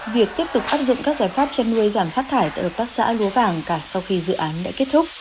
việc tiếp tục áp dụng các giải pháp chăn nuôi giảm phát thải từ các xã lúa vàng cả sau khi dự án đã kết thúc